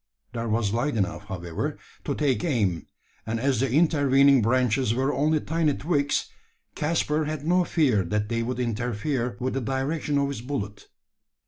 There was light enough, however, to take aim; and as the intervening branches were only tiny twigs, Caspar had no fear that they would interfere with the direction of his ballet.